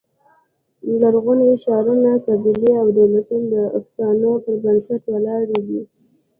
لرغوني ښارونه، قبیلې او دولتونه د افسانو پر بنسټ ولاړ دي.